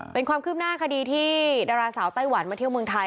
เป็นความคืบหน้าคดีที่ดาราสาวไต้หวันมาเที่ยวเมืองไทย